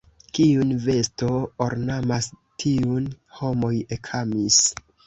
Kiun vesto ornamas, tiun homoj ekamas.